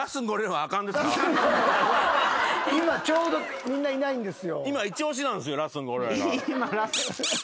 今ちょうどいないんですよ。